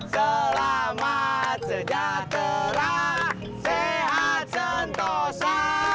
selamat sejahtera sehat sentosa